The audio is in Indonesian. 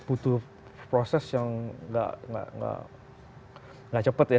itu proses yang gak cepet ya